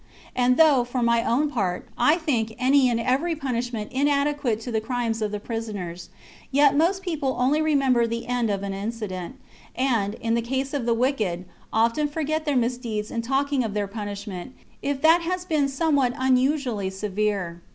And, though, for my own part, I think any and every punishment inadequate to the crimes of the prisoners, yet most people only remember the end of an incident, and, in the case of the wicked, often forget their misdeeds in talking of 46 THE CONSPIRACY OF CATILINE. c^AP. their punishment, if that has been somewhat unusually severe.